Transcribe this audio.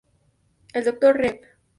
El Dr. Rev.